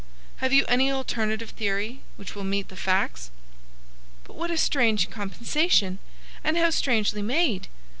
Have you any alternative theory which will meet the facts?" "But what a strange compensation! And how strangely made!